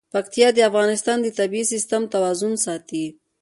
پکتیا د افغانستان د طبعي سیسټم توازن ساتي.